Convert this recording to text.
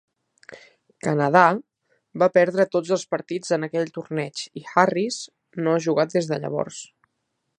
Canadà va perdre tots els partits en aquell torneig i Harris no ha jugat des de llavors.